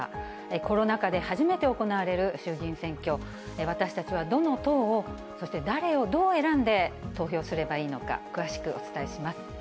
コロナ禍で初めて行われる衆議院選挙、私たちはどの党を、そして、誰をどう選んで投票すればいいのか、詳しくお伝えします。